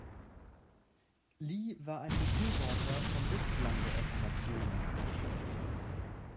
Lee war ein Befürworter von Luftlandeoperationen.